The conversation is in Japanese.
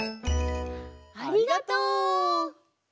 ありがとう。